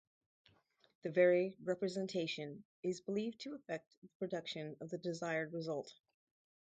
The very representation is believed to effect the production of the desired result.